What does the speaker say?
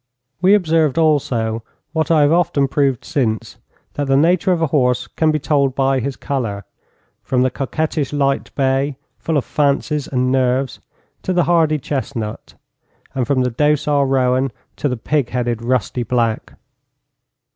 We observed also, what I have often proved since, that the nature of a horse can be told by his colour, from the coquettish light bay, full of fancies and nerves, to the hardy chestnut, and from the docile roan to the pig headed rusty black.